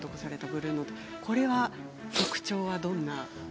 ブルーのこれは特徴はどんな？